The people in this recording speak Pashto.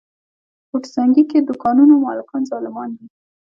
ګوته سنګي کې دوکانونو مالکان ظالمان دي.